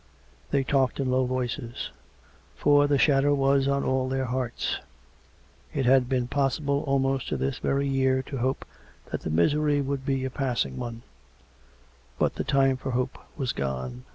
They talked in low voices; for the shadow was on all their hearts. It had been possible almost to this very year to hope that the misery would be a passing one; but the time for hope was gone.